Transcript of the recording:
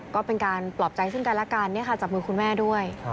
ก็เป็นการปลอบใจซึ่งกันและกันจับมือคุณแม่ด้วย